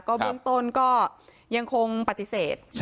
เบื้องต้นก็ยังคงปฏิเสธ